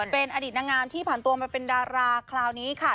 เป็นอดีตนางงามที่ผ่านตัวมาเป็นดาราคราวนี้ค่ะ